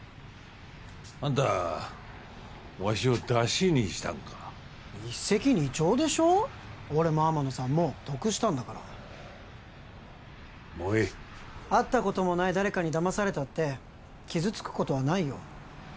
あんたわしをダシにしたんか一石二鳥でしょ俺も天野さんも得したんだからもういい会ったこともない誰かに騙されたって傷つくことはないよ